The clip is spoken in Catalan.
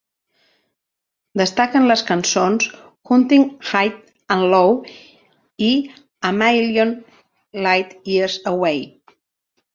Destaquen les cançons "Hunting High And Low" i "A Million Light Years Away".